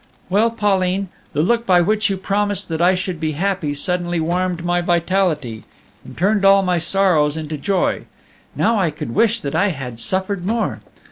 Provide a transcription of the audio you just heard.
"Well, Pauline, the look by which you promised that I should be happy suddenly warmed my vitality, and turned all my sorrows into joy. Now, I could wish that I had suffered more.